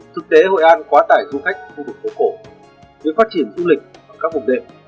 thực tế hội an quá tải du khách khu vực phố cổ đưa phát triển du lịch vào các vùng đệ